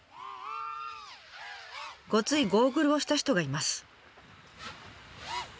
ごついゴーグルをした人がいます。